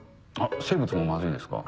生物もマズいですか？